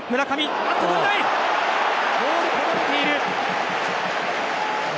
ボールこぼれている！